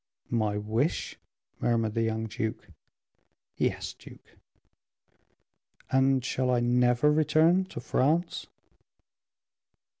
"My wish?" murmured the young duke. "Yes, duke." "And shall I never return to France?"